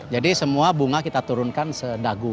jadi semua bunga kita turunkan sedagu